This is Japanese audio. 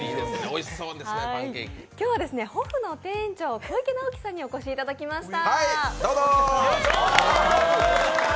今日はＨＯＦＦの店長、小池直樹さんにお越しいただきました。